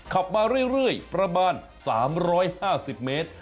ขับมาเรื่อยประมาณ๓๕๐เมตร